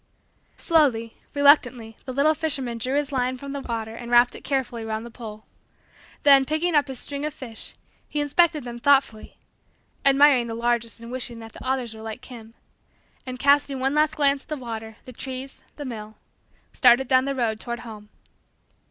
Slowly, reluctantly, the little fisherman drew his line from the water and wrapped it carefully round the pole. Then, picking up his string of fish, he inspected them thoughtfully admiring the largest and wishing that the others were like him and, casting one last glance at the water, the trees, the mill, started down the road toward home.